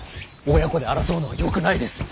親子で争うのはよくないです。